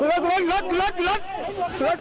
เห้อห้องเข้าจอด